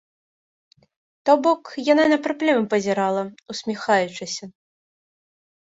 То бок, яна на праблемы пазірала, усміхаючыся.